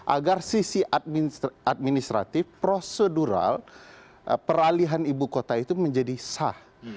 agar sisi administratif prosedural peralihan ibu kota itu menjadi sah